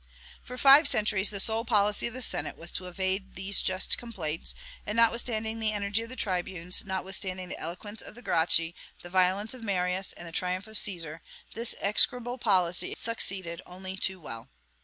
For five centuries, the sole policy of the Senate was to evade these just complaints; and, notwithstanding the energy of the tribunes, notwithstanding the eloquence of the Gracchi, the violence of Marius, and the triumph of Caesar, this execrable policy succeeded only too well.